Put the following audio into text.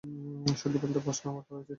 সত্যি বলতে, প্রশ্ন আমার করা উচিত।